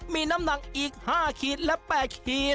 มีน้ำหนักอีก๕ขีดและ๘ขีด